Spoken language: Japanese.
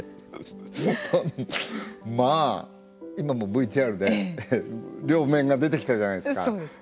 まあ、今もＶＴＲで両面が出てきたじゃないですか。